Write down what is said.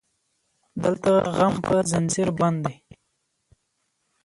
دلته غم په زنځير بند دی